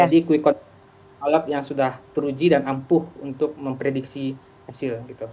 jadi kuikaun yang sudah teruji dan ampuh untuk memprediksi hasil gitu